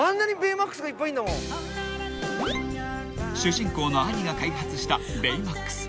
［主人公の兄が開発したベイマックス］